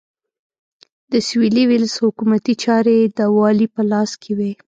د سوېلي ویلز حکومتي چارې د والي په لاس کې وې.